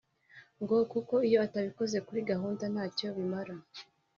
ngo kuko iyo utabikoza kuri gahunda ntacyo bimara